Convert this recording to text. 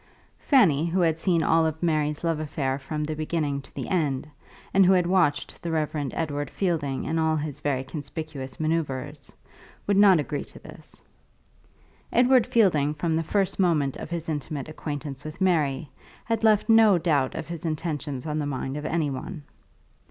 Fanny, who had seen all of Mary's love affair from the beginning to the end, and who had watched the Reverend Edward Fielding in all his very conspicuous manoeuvres, would not agree to this. Edward Fielding from the first moment of his intimate acquaintance with Mary had left no doubt of his intentions on the mind of any one.